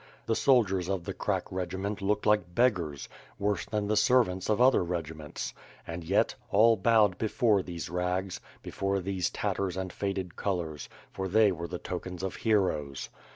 The sol diers of the crack regiment looked like beggars, worse than the servants of other regiments; and, yet, all bowed before these rags, before these tatters and faded colors; for they were the tokens of heroes.